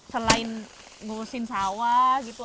selain ngusin sawah gitu